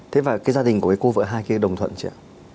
thế và cái gia đình của cô vợ hai kia đồng thuận chưa